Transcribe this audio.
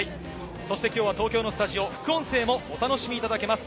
きょうは東京のスタジオ、副音声もお楽しみいただけます。